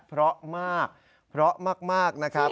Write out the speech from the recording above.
เพราะมากเพราะมากนะครับ